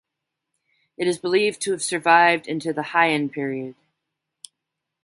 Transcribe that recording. It is believed to have survived into the Heian period.